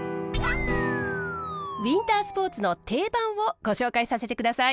ウインタースポーツの定番をご紹介させて下さい。